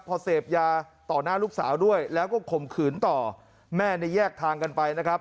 พอเสพยาต่อหน้าลูกสาวด้วยแล้วก็ข่มขืนต่อแม่เนี่ยแยกทางกันไปนะครับ